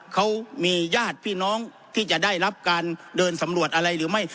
เขามีญาติพี่น้องที่จะได้รับการเดินสำรวจอะไรหรือไม่